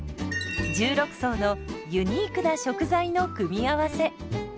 １６層のユニークな食材の組み合わせ。